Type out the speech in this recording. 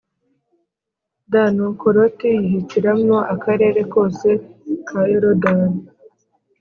dNuko Loti yihitiramo Akarere kose ka Yorodani